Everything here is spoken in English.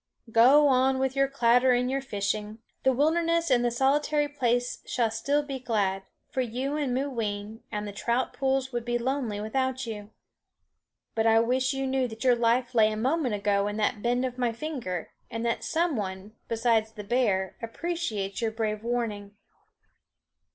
"Go on with your clatter and your fishing. The wilderness and the solitary place shall still be glad, for you and Mooween, and the trout pools would be lonely without you. But I wish you knew that your life lay a moment ago in the bend of my finger, and that some one, besides the bear, appreciates your brave warning."